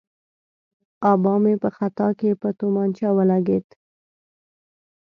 آبا مې په خطا کې په تومانچه ولګېد.